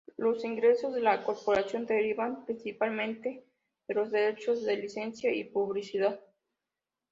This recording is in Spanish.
Los ingresos de la Corporación derivan principalmente de los derechos de licencia y publicidad.